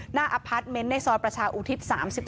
หน้าอภัทรเมนท์ในซ้อนประชาอุทิศ๓๓